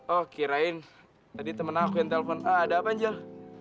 oh kirain tadi temen aku yang telfon ada apa angel